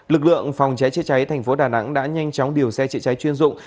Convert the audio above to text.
lực lượng phòng cháy chữa cháy thành phố đà nẵng đã nhanh chóng điều xe chữa cháy chuyên dụng